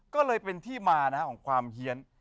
ก็เลยเป็นที่มาของความเฮียน